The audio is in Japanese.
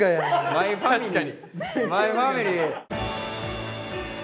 「マイファミリー」。